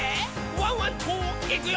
ワンワンといくよ」